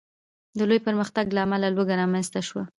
د لوی پرمختګ له امله لوږه رامنځته شوه.